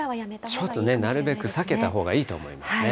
ちょっとね、なるべく避けたほうがいいと思いますね。